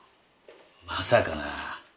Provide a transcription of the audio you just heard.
まさかなあ。